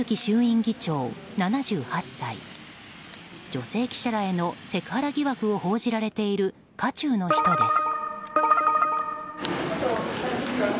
女性記者らへのセクハラ疑惑を報じられている渦中の人です。